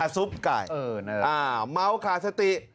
ซุปไก่อ่าเหมือนกันเลยอ่าม้าวขาสติ